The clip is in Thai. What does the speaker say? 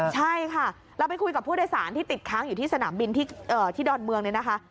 ใช่ค่ะเราไปคุยกับผู้โดยสารที่ติดค้างอยู่ที่สนามบินที่ดอนเมืองเนี่ยนะคะ